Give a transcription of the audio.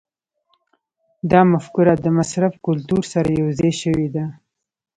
دا مفکوره د مصرف کلتور سره یوځای شوې ده.